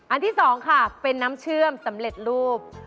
ที่๒ค่ะเป็นน้ำเชื่อมสำเร็จรูป